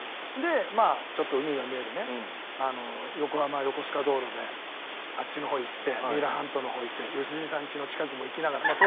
でまあちょっと海が見えるね横浜横須賀道路であっちの方行って三浦半島の方行って良純さんちの近くも行きながら。